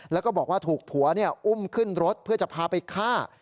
แล้วก็บอกว่าถูกผัวอุ้มขึ้นรถเพื่อจะพาไปฆ่า